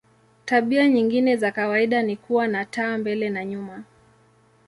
Tabia nyingine za kawaida ni kuwa na taa mbele na nyuma.